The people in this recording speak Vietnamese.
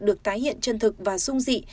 được tái hiện chân thực và dung dị